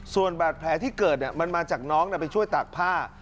ส่วนบาดแผลที่เกิดมันมาจากน้องไปช่วยตากผ้า